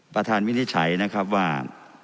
ประธานวินิจฉัยนะครับว่า